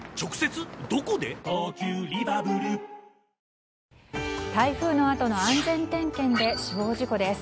台風のあとの安全点検で死亡事故です。